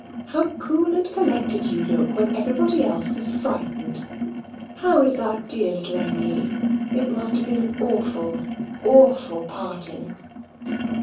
"How cool and collected you look when everybody else is frightened! How is our dear little Emmy? It must have been an awful, awful parting."